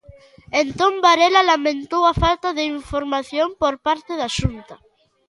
Entón, Varela lamentou a "falta de información" por parte da Xunta.